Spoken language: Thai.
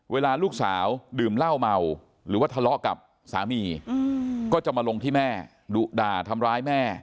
เวลาลูกสาวดื่มเหล้าเมาหรือว่าทะเลาะกับสามีก็จะมาลงที่แม่ดุด่าทำร้ายแม่